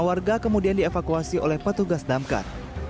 warga kemudian dievakuasi oleh petugas damkar